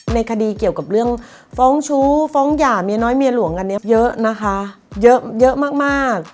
ในคดีเกี่ยวกับเรื่องฟ้องชู้ฟ้องหย่าเมียน้อยเมียหลวงอันนี้เยอะนะคะเยอะมากเยอะมาก